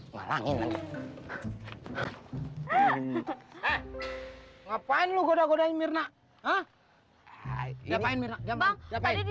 ngapain lu goda godain mirna hah ngapain mirna